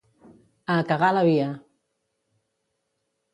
A cagar a la via!